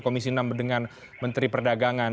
komisi enam dengan menteri perdagangan